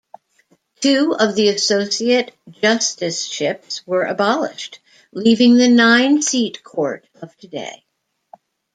Two of the Associate Justiceships were abolished, leaving the nine-seat Court of today.